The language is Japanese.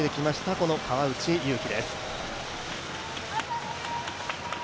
この川内優輝です。